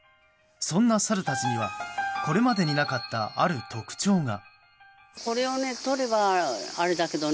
そんなサルたちにはこれまでになかったある特徴が。